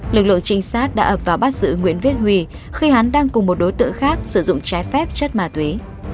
lực lượng trinh sát đã ập vào bắt giữ nguyễn viết huy khi hắn đang cùng một đối tượng khác sử dụng trái phép chất ma túy